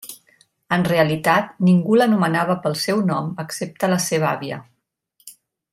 En realitat ningú l'anomenava pel seu nom excepte la seva àvia.